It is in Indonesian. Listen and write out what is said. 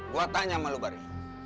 gua tanya sama lu bari